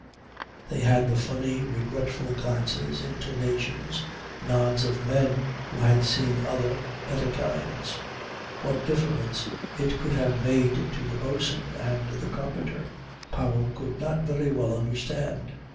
They had the funny, regretful glances, intonations, nods of men who had seen other, better times. What difference it could have made to the bo'sun and the carpenter Powell could not very well understand.